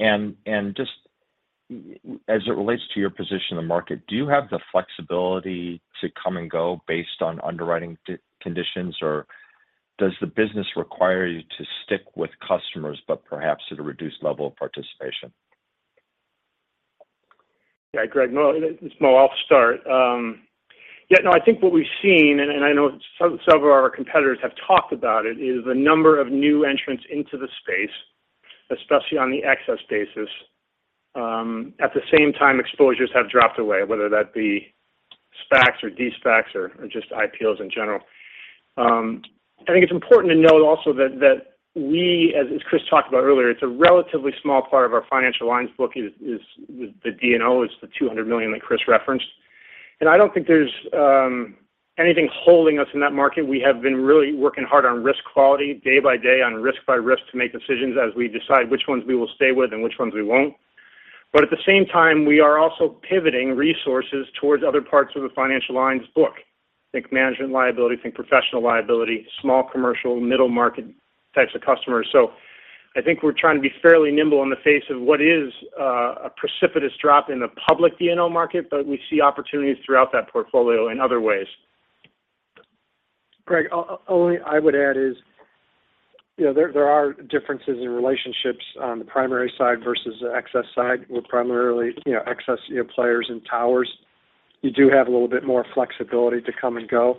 Just as it relates to your position in the market, do you have the flexibility to come and go based on underwriting conditions? Does the business require you to stick with customers but perhaps at a reduced level of participation? Yeah, Greg. Mo, it's Mo. I'll start. Yeah, no, I think what we've seen, and I know some of our competitors have talked about it, is the number of new entrants into the space, especially on the excess basis. At the same time, exposures have dropped away, whether that be SPACs or de-SPACs or just IPOs in general. I think it's important to note also that we, as Chris talked about earlier, it's a relatively small part of our financial lines book is the D&O. It's the $200 million that Chris referenced. I don't think there's anything holding us in that market. We have been really working hard on risk quality day by day, on risk by risk to make decisions as we decide which ones we will stay with and which ones we won't. At the same time, we are also pivoting resources towards other parts of the financial lines book, think management liability, think professional liability, small commercial, middle market types of customers. I think we're trying to be fairly nimble in the face of what is a precipitous drop in the public D&O market, but we see opportunities throughout that portfolio in other ways. Greg, only I would add is, you know, there are differences in relationships on the primary side versus the excess side. We're primarily, you know, excess, you know, players and towers. You do have a little bit more flexibility to come and go,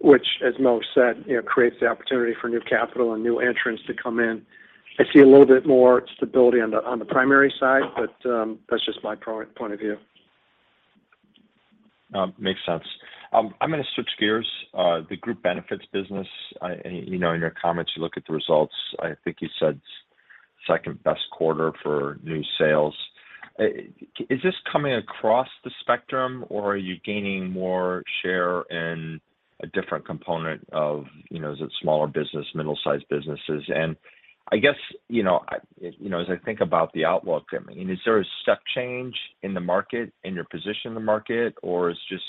which, as Mo said, you know, creates the opportunity for new capital and new entrants to come in. I see a little bit more stability on the primary side, but that's just my point of view. Makes sense. I'm going to switch gears. The group benefits business. I, you know, in your comments, you look at the results. I think you said 2nd-best quarter for new sales. Is this coming across the spectrum, or are you gaining more share in a different component of, you know, is it smaller business, middle-sized businesses? I guess, you know, I, you know, as I think about the outlook, I mean, is there a step change in the market, in your position in the market or is just,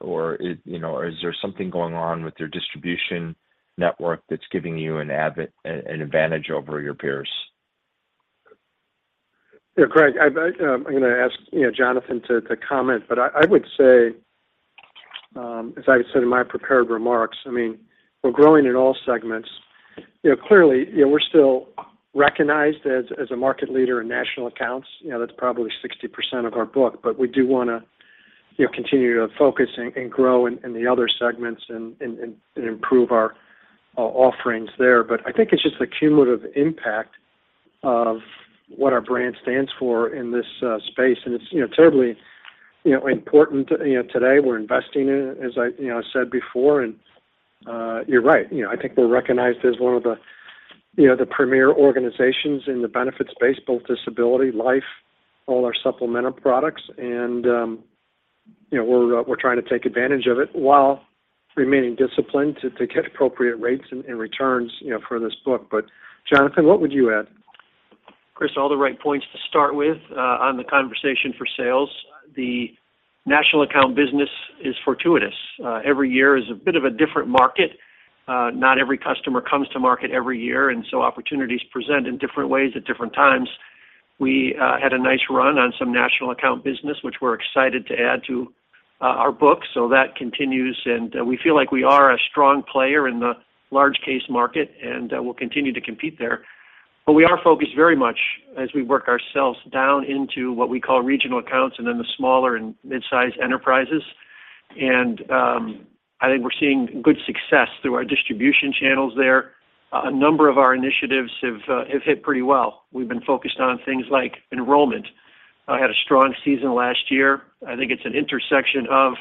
or is, you know, is there something going on with your distribution network that's giving you an advantage over your peers? Yeah, Greg, I'm going to ask, you know, Jonathan to comment, but I would say, as I said in my prepared remarks, I mean, we're growing in all segments. You know, clearly, you know, we're still recognized as a market leader in national accounts. You know, that's probably 60% of our book. We do want to, you know, continue to focus and grow in the other segments and improve our offerings there. I think it's just the cumulative impact of what our brand stands for in this space. It's, you know, terribly, you know, important, you know, today we're investing in, as I, you know, said before, and you're right. You know, I think we're recognized as one of the, you know, the premier organizations in the benefits space, both disability, life, all our supplemental products. You know, we're trying to take advantage of it while remaining disciplined to get appropriate rates and returns, you know, for this book. Jonathan, what would you add? Chris, all the right points to start with, on the conversation for sales. The national account business is fortuitous. Every year is a bit of a different market. Not every customer comes to market every year. Opportunities present in different ways at different times. We had a nice run on some national account business, which we're excited to add to our book. That continues, and we feel like we are a strong player in the large case market, and we'll continue to compete there. We are focused very much as we work ourselves down into what we call regional accounts and then the smaller and mid-sized enterprises. I think we're seeing good success through our distribution channels there. A number of our initiatives have hit pretty well. We've been focused on things like enrollment. Had a strong season last year. I think it's an intersection of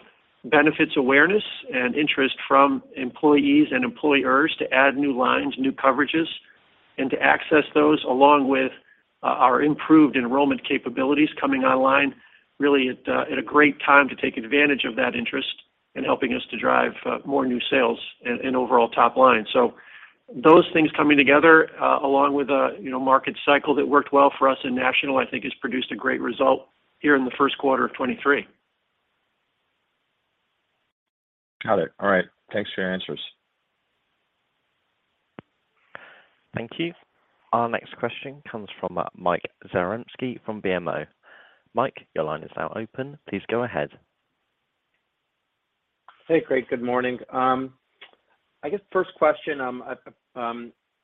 benefits awareness and interest from employees and employers to add new lines, new coverages, and to access those along with our improved enrollment capabilities coming online, really at a great time to take advantage of that interest in helping us to drive more new sales and overall top-line. Those things coming together, along with a, you know, market cycle that worked well for us in national, I think has produced a great result here in the Q1 of 23. Got it. All right. Thanks for your answers. Thank you. Our next question comes from Michael Zaremski from BMO. Mike, your line is now open. Please go ahead. Hey, great. Good morning. I guess first question,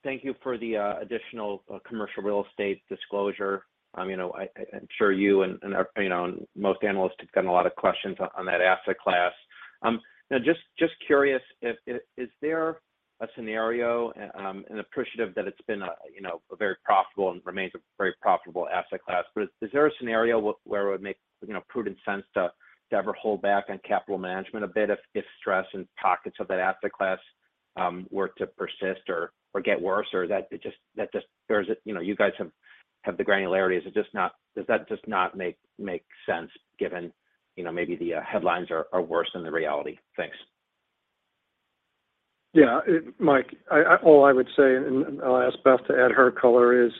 thank you for the additional commercial real estate disclosure. You know, I'm sure you and, you know, most analysts have gotten a lot of questions on that asset class. Now just curious, is there a scenario, and appreciative that it's been a, you know, a very profitable and remains a very profitable asset class. Is there a scenario where it would make, you know, prudent sense to ever hold back on capital management a bit if stress and pockets of that asset class were to persist or get worse? There's, you know, you guys have the granularity? Does that just not make sense given, you know, maybe the headlines are worse than the reality? Thanks. Yeah. Mike, I All I would say, and I'll ask Beth to add her color, is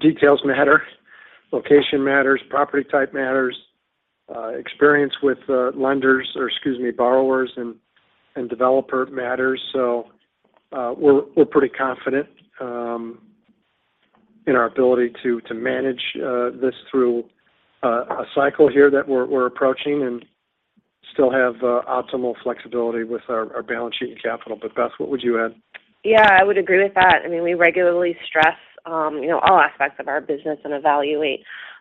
details matter, location matters, property type matters, experience with lenders, or excuse me, borrowers and developer matters. We're pretty confident in our ability to manage this through a cycle here that we're approaching and still have optimal flexibility with our balance sheet and capital. Beth, what would you add? Yeah, I would agree with that. I mean, we regularly stress, you know, all aspects of our business and evaluate,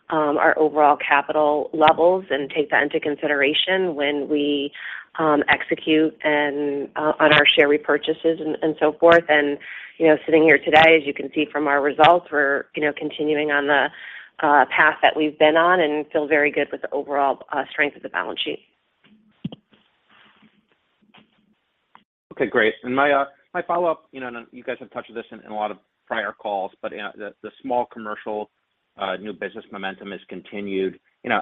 our overall capital levels and take that into consideration when we, execute and, on our share repurchases and so forth. You know, sitting here today, as you can see from our results, we're, you know, continuing on the path that we've been on and feel very good with the overall strength of the balance sheet. Okay, great. My, my follow-up, you know, you guys have touched on this in a lot of prior calls, but, you know, the Small Commercial new business momentum has continued. You know,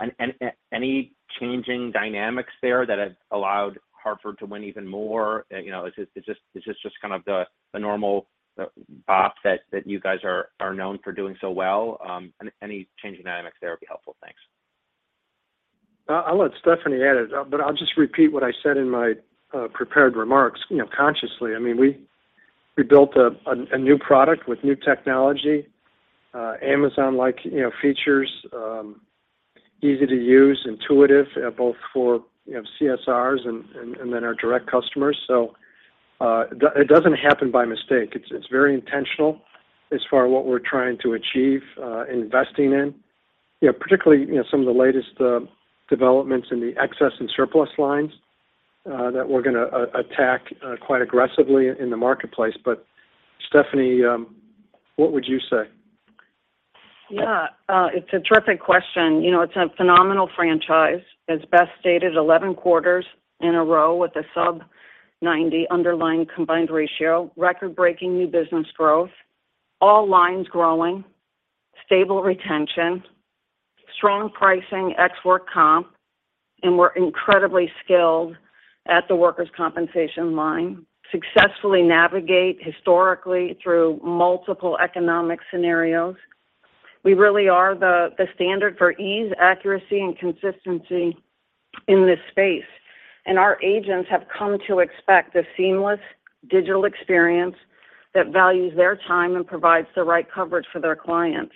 any changing dynamics there that have allowed The Hartford to win even more? You know, is this just kind of the normal BOP that you guys are known for doing so well? Any changing dynamics there would be helpful. Thanks. I'll let Stephanie add it, but I'll just repeat what I said in my prepared remarks. You know, consciously, I mean, we built a, a new product with new technology, Amazon-like, you know, features, easy to use, intuitive, both for, you know, CSRs and, and then our direct customers. It doesn't happen by mistake. It's, it's very intentional as far as what we're trying to achieve, investing in. You know, particularly, you know, some of the latest, developments in the excess and surplus lines, that we're gonna attack, quite aggressively in the marketplace. Stephanie, what would you say? Yeah, it's a terrific question. You know, it's a phenomenal franchise. As Beth stated, 11 quarters in a row with a sub 90 underlying combined ratio, record-breaking new business growth, all lines growing, stable retention, strong pricing ex work comp, and we're incredibly skilled at the workers' compensation line, successfully navigate historically through multiple economic scenarios. We really are the standard for ease, accuracy, and consistency in this space. Our agents have come to expect a seamless digital experience that values their time and provides the right coverage for their clients.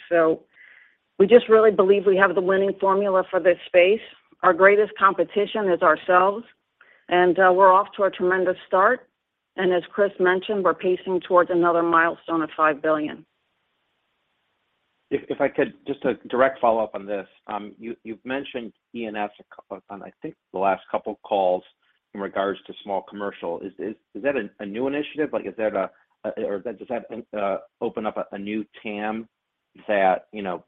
We just really believe we have the winning formula for this space. Our greatest competition is ourselves, and we're off to a tremendous start. As Chris mentioned, we're pacing towards another milestone of $5 billion. If I could just a direct follow-up on this. You've mentioned E&S on I think the last couple of calls. In regards to small commercial, is that a new initiative? Like, is that, or does that open up a new TAM that, you know,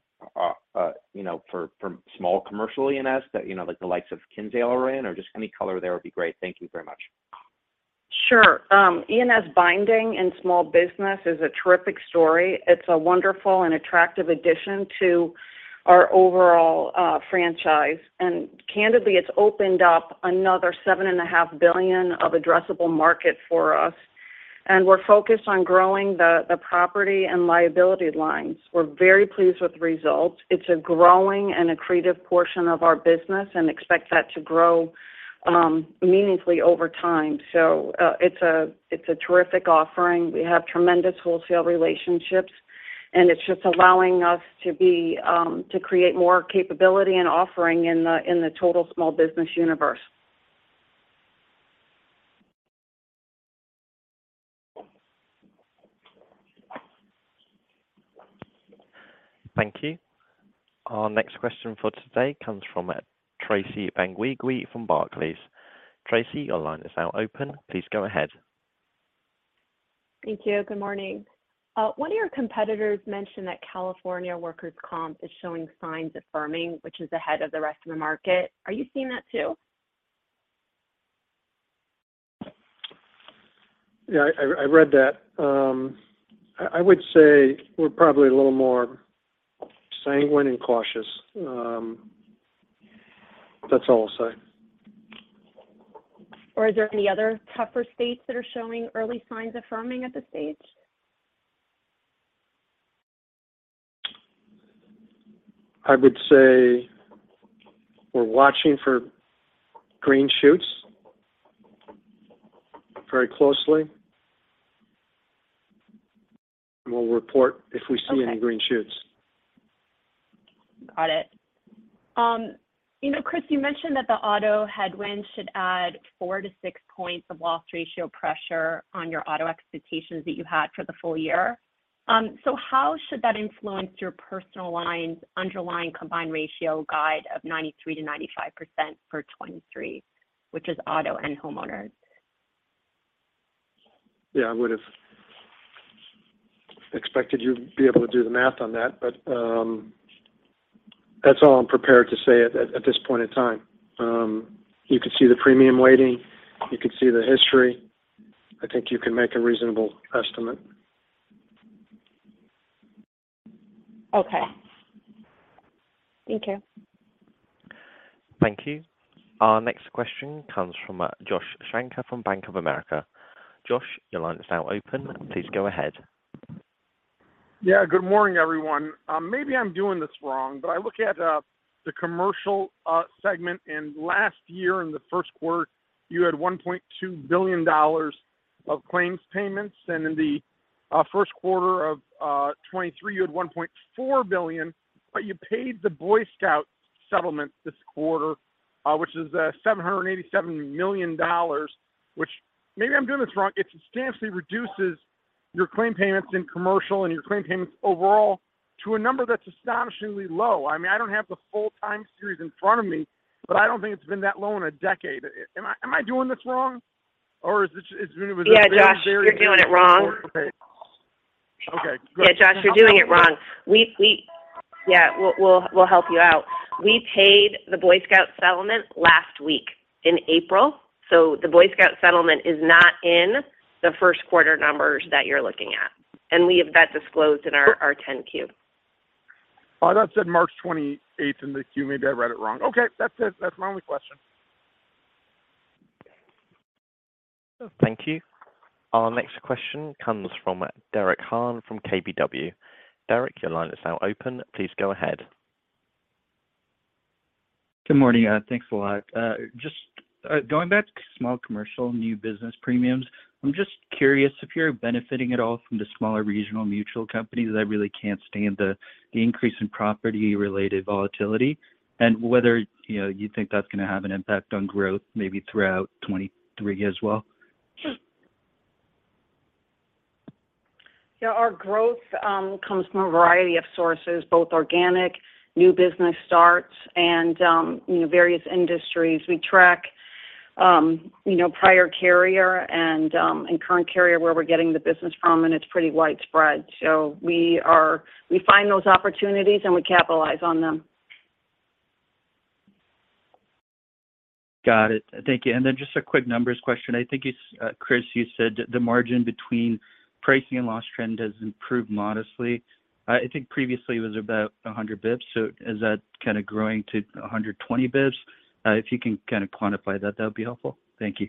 you know, for small commercial E&S that, you know, like the likes of Kinsale are in? Just any color there would be great. Thank you very much. Sure. E&S binding in small business is a terrific story. It's a wonderful and attractive addition to our overall franchise. Candidly, it's opened up another $7.5 billion of addressable market for us, and we're focused on growing the property and liability lines. We're very pleased with the results. It's a growing and accretive portion of our business and expect that to grow meaningfully over time. It's a terrific offering. We have tremendous wholesale relationships, and it's just allowing us to be to create more capability and offering in the total small business universe. Thank you. Our next question for today comes from Tracy Dolin-Benguigui from Barclays. Tracy, your line is now open. Please go ahead. Thank you. Good morning. One of your competitors mentioned that California workers' comp is showing signs of firming, which is ahead of the rest of the market. Are you seeing that too? Yeah, I read that. I would say we're probably a little more sanguine and cautious. That's all I'll say. Are there any other tougher states that are showing early signs of firming at this stage? I would say we're watching for green shoots very closely. We'll report if we see any green shoots. Okay. Got it. You know, Chris, you mentioned that the auto headwinds should add four to six points of loss ratio pressure on your auto expectations that you had for the full year. How should that influence your personal lines' underlying combined ratio guide of 93%-95% for 2023, which is auto and homeowners? Yeah, I would have expected you to be able to do the math on that. That's all I'm prepared to say at this point in time. You could see the premium weighting, you could see the history. I think you can make a reasonable estimate. Okay. Thank you. Thank you. Our next question comes from Joshua Shanker from Bank of America. Josh, your line is now open. Please go ahead. Yeah, good morning, everyone. Maybe I'm doing this wrong, but I look at the commercial segment, and last year in the Q1, you had $1.2 billion of claims payments. In the Q1 of 2023, you had $1.4 billion, but you paid the Boy Scouts settlement this quarter, which is $787 million, which maybe I'm doing this wrong, it substantially reduces your claim payments in commercial and your claim payments overall to a number that's astonishingly low. I mean, I don't have the full-time series in front of me, but I don't think it's been that low in a decade. Am I doing this wrong? Or is this... Yeah, Josh. Is it a very? You're doing it wrong. Okay. Okay, good. Yeah, Josh, you're doing it wrong. Yeah, we'll help you out. We paid the Boy Scouts settlement last week in April. The Boy Scouts settlement is not in the Q1 numbers that you're looking at. We have that disclosed in our- Sure. Our 10-Q. Oh, that said March twenty-eighth in the Q. Maybe I read it wrong. Okay, that's it. That's my only question. Thank you. Our next question comes from Derek Han from KBW. Derek, your line is now open. Please go ahead. Good morning. Thanks a lot. Just going back to small commercial new business premiums, I'm just curious if you're benefiting at all from the smaller regional mutual companies that really can't stand the increase in property-related volatility and whether, you know, you think that's gonna have an impact on growth maybe throughout 2023 as well. Sure. Yeah, our growth, comes from a variety of sources, both organic, new business starts and, you know, various industries. We track, you know, prior carrier and current carrier where we're getting the business from, and it's pretty widespread. We find those opportunities, and we capitalize on them. Got it. Thank you. Then just a quick numbers question. I think it's, Chris, you said that the margin between pricing and loss trend has improved modestly. I think previously it was about 100 bps. Is that kind of growing to 120 bps? If you can kind of quantify that would be helpful. Thank you.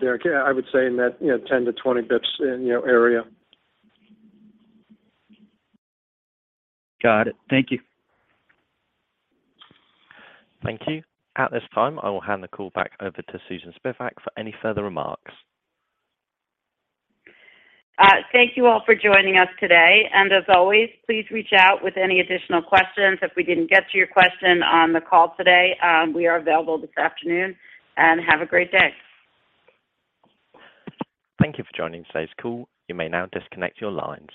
Derek, I would say in that, you know, 10 to 20 basis points in, you know, area. Got it. Thank you. Thank you. At this time, I will hand the call back over to Susan Spivak for any further remarks. Thank you all for joining us today. As always, please reach out with any additional questions. If we didn't get to your question on the call today, we are available this afternoon. Have a great day. Thank you for joining today's call. You may now disconnect your lines.